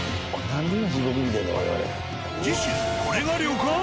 次週これが旅館？